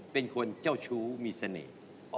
เป็นคนเจ้าชู้มีเสน่ห์